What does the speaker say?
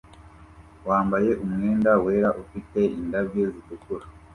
wambaye umwenda wera ufite indabyo zitukura